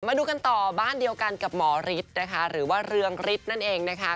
มาดูกันต่อบ้านเดียวกันกับหมอฤทธิ์นะคะหรือว่าเรืองฤทธิ์นั่นเองนะคะ